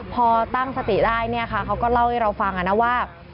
พอตั้งสติได้เขาก็เล่าให้เราฟังว่า